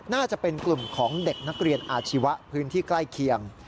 น่าจะเป็นกลุ่มของเด็กนักเรียนอาชีวะพื้นที่ใกล้เคียง